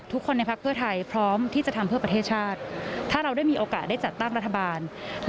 คุณอิ้งพร้อมทำงานไทยต่อใหม่ตรงไหน